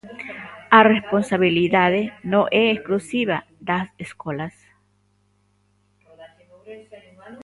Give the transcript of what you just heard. A responsabilidade non é exclusiva das escolas.